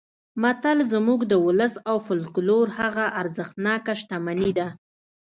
متل زموږ د ولس او فولکلور هغه ارزښتناکه شتمني ده